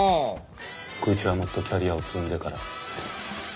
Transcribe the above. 愚痴はもっとキャリアを積んでから。